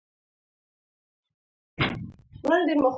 که میینه شوم سنګسار یم، که طلاقه تهمت بار یم